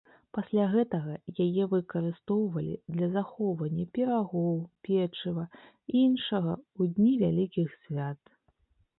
Пасля гэтага яе выкарыстоўвалі для захоўвання пірагоў, печыва і іншага ў дні вялікіх свят.